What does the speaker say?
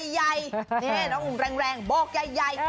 เนี่ยร้องแรงโบกยัย